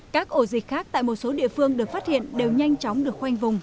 các ổ dịch khác tại một số địa phương được phát hiện đều nhanh chóng được khoanh vùng